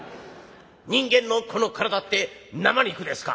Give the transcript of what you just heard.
「人間のこの体って生肉ですか？」。